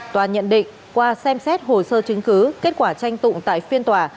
tòa nhận định qua xem xét hồ sơ chứng cứ kết quả tranh tụng tại phiên tòa